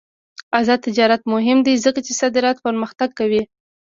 آزاد تجارت مهم دی ځکه چې صادرات پرمختګ کوي.